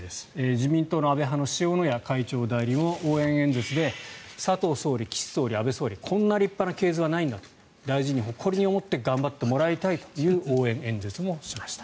自民党の安倍派の塩谷会長代理も応援演説で佐藤総理、岸総理、安倍総理こんな立派な系図はないんだと大事に誇りに思って頑張ってもらいたいという応援演説をしました。